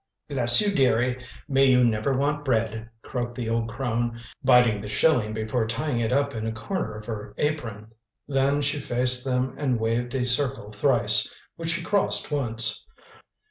"Bless you, deary; may you never want bread," croaked the old crone, biting the shilling before tying it up in a corner of her apron. Then she faced them and waved a circle thrice, which she crossed once.